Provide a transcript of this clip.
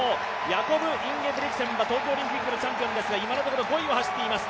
ヤコブ・インゲブリクセンは東京オリンピックのチャンピオンですが今のところ５位を走っています